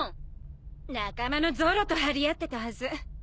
仲間のゾロと張り合ってたはず。